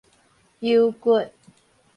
油骨